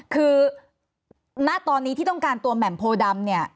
คือณตอนนี้ที่ต้องการตัวแหม่มโพดำเนี่ย